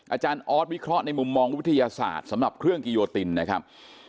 อาจารย์ออสวิเคราะห์ในมุมมองวิทยาศาสตร์สำหรับเครื่องกิโยตินนะครับ